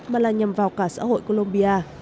mà là nhằm vào cả xã hội colombia